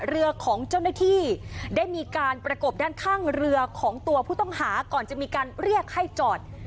เรือของเจ้าหน้าที่ได้มีการประกบด้านข้างเรือของตัวผู้ต้องหาก่อนจะมีการเรียกให้จอด